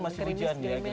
mungkin masih hujan ya